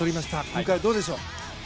今回、どうでしょう？